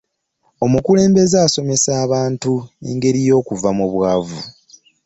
Omukulembeze asomeseza abantu engeri y'okuva mu bwavu.